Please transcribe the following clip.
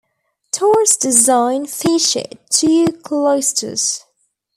Torres's design featured two cloisters.